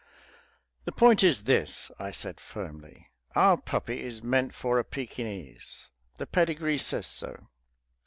"The point is this," I said firmly, "our puppy is meant for a Pekinese the pedigree says so.